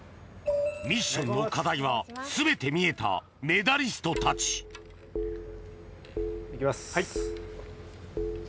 ミッションの課題は全て見えたメダリストたち行きます。